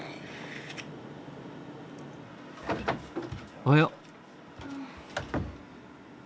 おはよう。